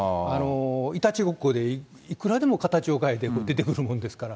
いたちごっこで、いくらでも形を変えて出てくるもんですから。